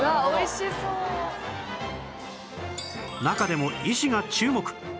中でも医師が注目！